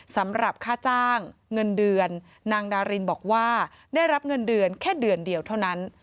สำหรับค่าจ้างเงินเดือนนางดารินบอกว่าได้รับเงินเดือนแค่เดือนเดียวเท่านั้น